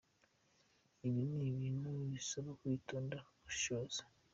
Ibi ni ibintu bisaba kwitonda no gushishoza.